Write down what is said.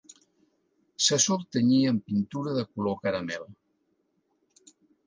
Se sol tenyir amb pintura de color caramel.